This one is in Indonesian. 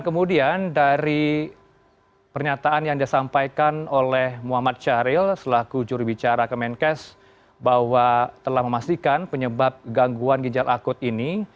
kemudian dari pernyataan yang disampaikan oleh muhammad syaril selaku juri bicara ke menkes bahwa telah memastikan penyebab gangguan ginjal akut ini